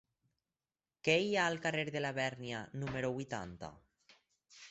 Què hi ha al carrer de Labèrnia número vuitanta?